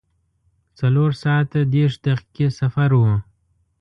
څلور ساعته دېرش دقیقې سفر و.